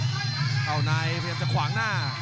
เข้าในพยายามจะขวางหน้า